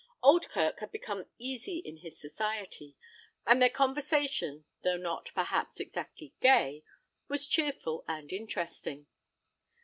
Oldkirk had become easy in his society, and their conversation, though not, perhaps, exactly gay, was cheerful and interesting.